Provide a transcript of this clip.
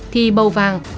thì màu vàng